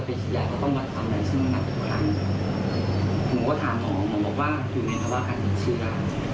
ผมก็ถามหมอหมอบอกว่าอยู่ในภาวะการมีชีวิต